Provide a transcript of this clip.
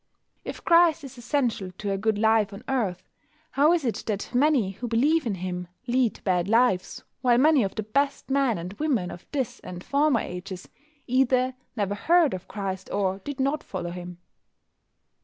If Christ is essential to a good life on earth, how is it that many who believe in Him lead bad lives, while many of the best men and women of this and former ages either never heard of Christ or did not follow Him?